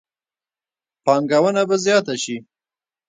پانګونه به زیاته شي.